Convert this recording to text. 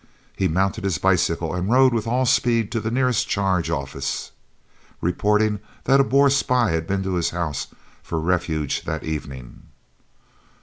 He mounted his bicycle and rode with all speed to the nearest Charge Office, reporting that a Boer spy had been to his house for refuge that evening.